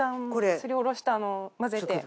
すりおろしたのを混ぜて。